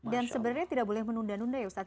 dan sebenarnya tidak boleh menunda nunda ya ustaz